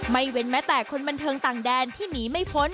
เว้นแม้แต่คนบันเทิงต่างแดนที่หนีไม่พ้น